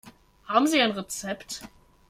Haben Sie ein Rezept?